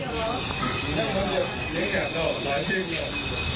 อย่าทิ้งกับมือมุมเกินเดี๋ยวล่า